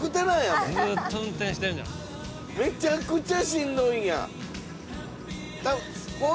めちゃくちゃしんどいやん。